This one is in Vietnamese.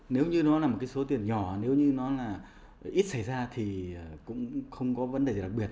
nếu như nó là một cái số tiền nhỏ nếu như nó là ít xảy ra thì cũng không có vấn đề gì đặc biệt